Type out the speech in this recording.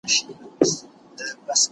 دا خبري له هغه ګټورې دي!.